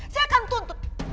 saya akan tuntut